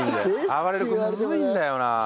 あばれる君むずいんだよなあ。